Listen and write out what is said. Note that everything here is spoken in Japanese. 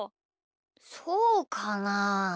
そうかな？